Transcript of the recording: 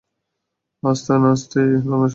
আসতে না আসতেই তদন্ত শুরু করেছো!